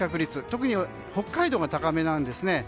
特に北海道が高めなんですね。